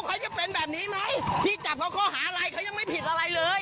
เขาจะเป็นแบบนี้ไหมพี่จับเขาข้อหาอะไรเขายังไม่ผิดอะไรเลย